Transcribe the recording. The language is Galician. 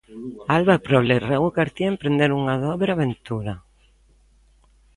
Alba Prol e Raúl García emprenderon unha dobre aventura.